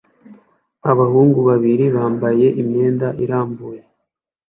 Abahungu babiri bambaye imyenda irambuye